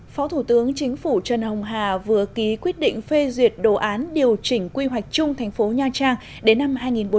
phó thủ tướng chính phủ trần hồng hà vừa ký quyết định phê duyệt đồ án điều chỉnh quy hoạch chung thành phố nha trang đến năm hai nghìn bốn mươi